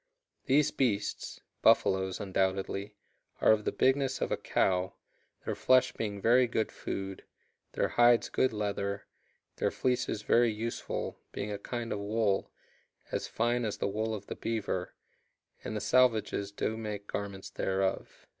] "These Beasts [buffaloes, undoubtedly] are of the bignesse of a Cowe, their flesh being very good foode, their hides good lether, their fleeces very usefull, being a kind of wolle, as fine as the wolle of the Beaver, and the Salvages doe make garments thereof."